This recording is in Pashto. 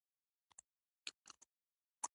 خدایه! رنځوره لیلا یې کړې ده.